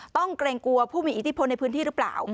เกรงกลัวผู้มีอิทธิพลในพื้นที่หรือเปล่า